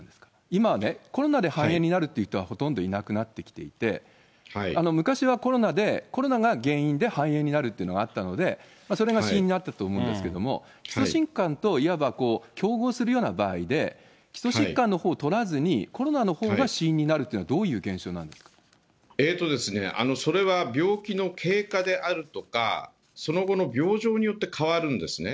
今はコロナで肺炎になるという人はほとんどいなくなってきていて、昔はコロナで、コロナが原因で肺炎になるというのがあったので、それが死因になったと思うんですけど、基礎疾患といわば競合するような場合で、基礎疾患のほうを取らずに、コロナのほうが死因になるというのは、それは病気の経過であるとか、その後の病状によって変わるんですね。